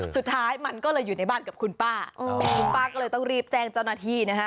สุดท้ายมันก็เลยอยู่ในบ้านกับคุณป้าคุณป้าก็เลยต้องรีบแจ้งเจ้าหน้าที่นะฮะ